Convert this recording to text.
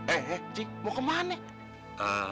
eh ji mau kemana